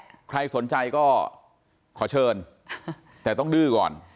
ใครสนใจก็ขอเชิญแต่ต้องดื้อก่อน